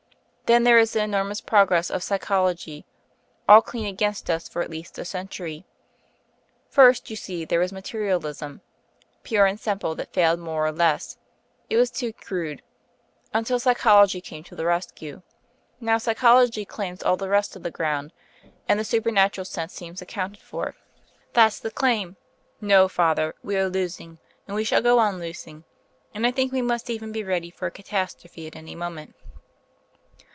Then there is the enormous progress of psychology all clean against us for at least a century. First, you see, there was Materialism, pure and simple that failed more or less it was too crude until psychology came to the rescue. Now psychology claims all the rest of the ground; and the supernatural sense seems accounted for. That's the claim. No, father, we are losing; and we shall go on losing, and I think we must even be ready for a catastrophe at any moment."